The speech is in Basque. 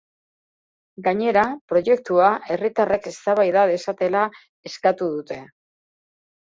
Gainera, proiektua herritarrek eztabaida dezatela eskatu dute.